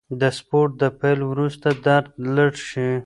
د سپورت د پیل وروسته درد لږ شي.